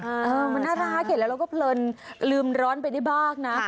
เออมันน่ารักเห็นแล้วเราก็เพลินลืมร้อนไปได้บ้างนะ